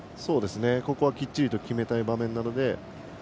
ここはきっちり決めたいので。